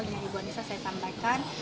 jadi buat bisa saya sampaikan